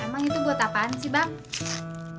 emang itu buat apaan sih bang